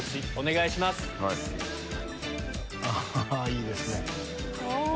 いいですね。